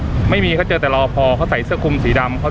ไม่มีเขาเจอแต่รอพอเขาใส่เสื้อคุมสีดำ